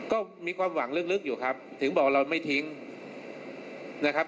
ก็มีความหวังลึกอยู่ครับถึงบอกว่าเราไม่ทิ้งนะครับ